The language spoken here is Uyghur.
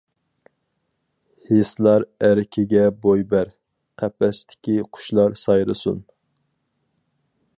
ھېسلار ئەركىگە بوي بەر، قەپەستىكى قۇشلار سايرىسۇن!